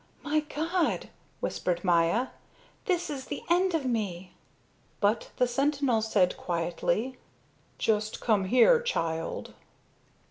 "My God," whispered Maya, "this is the end of me!" But the sentinel said quietly: "Just come here, child."